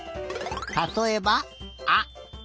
たとえば「あ」。